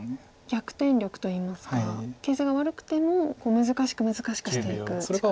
逆転力といいますか形勢が悪くても難しく難しくしていく力が。